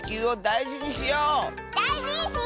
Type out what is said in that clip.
だいじにしよう！